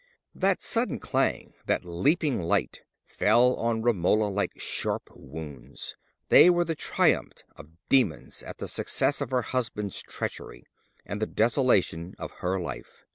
That sudden clang, that leaping light, fell on Romola like sharp wounds. They were the triumph of demons at the success of her husband's treachery, and the desolation of her life.